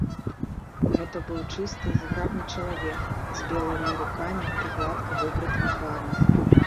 Гэта быў чысты і зграбны чалавек, з белымі рукамі і гладка выбрытым тварам.